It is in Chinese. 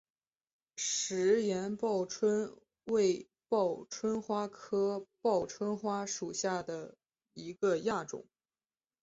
石岩报春为报春花科报春花属下的一个亚种。